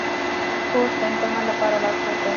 کورس د امتحان لپاره لارښود دی.